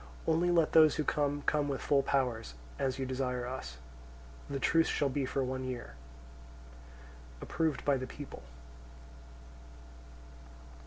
Only let those who come come with full powers, as you desire us. The truce shall be for one year. Approved by the people.